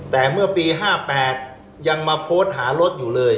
แต่เมื่อปี๕๘ยังมาโพสต์หารถอยู่เลย